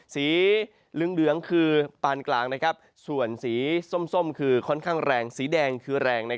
สีเหลืองคือปานกลางส่วนสีส้มคือค่อนข้างแรงสีแดงคือแรง